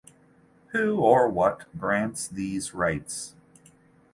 Who or what grants these rights?